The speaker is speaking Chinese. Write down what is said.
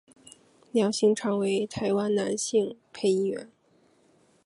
梁兴昌为台湾男性配音员。